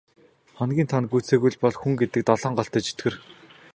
Хоногийн тоо нь гүйцээгүй л бол хүн гэдэг долоон голтой чөтгөр.